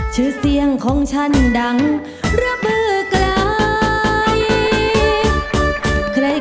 ชื่อเสียงของฉันดังระบือไกล